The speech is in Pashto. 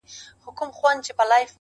کشکي ستا په خاطر لمر وای راختلی؛!